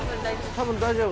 多分大丈夫？